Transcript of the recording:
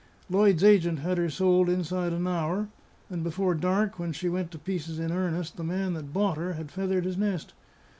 Lloyd's agent had her sold inside an hour; and before dark, when she went to pieces in earnest, the man that bought her had feathered his nest.